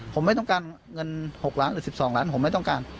ผมไม่ต้องการเงิน๖ล้านหรือ๑๒ล้านผมไม่ต้องการ